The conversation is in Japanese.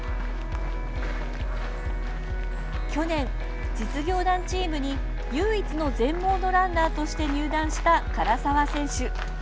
去年、実業団チームに唯一の全盲のランナーとして入団した唐澤選手。